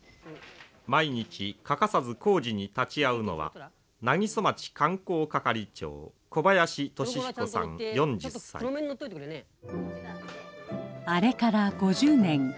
毎日欠かさず工事に立ち会うのは南木曽町観光係長あれから５０年。